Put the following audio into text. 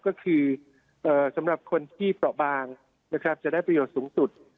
ก็คือสำหรับคนที่เปราะบางนะครับจะได้ประโยชน์สูงสุด